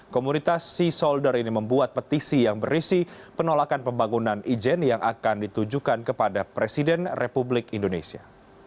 komunitas sea solder ini membuat petisi yang berisi penolakan pembangunan ijen yang akan ditujukan kepada presiden republik indonesia